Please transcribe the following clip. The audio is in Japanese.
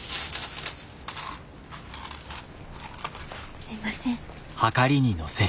すいません。